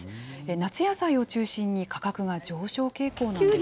夏野菜を中心に価格が上昇傾向なんです。